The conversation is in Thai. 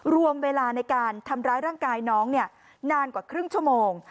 รวมเวลาในการทำร้ายร่างกายน้องนานกว่าครึ่งชั่วโมง